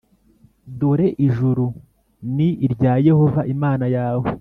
Dore ijuru ni irya Yehova Imana yawe,